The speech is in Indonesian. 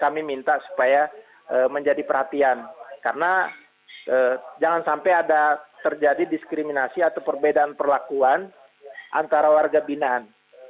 kami minta supaya menjadi perhatian karena jangan sampai ada terjadi diskriminasi atau perbedaan perlakuan antara warga binaan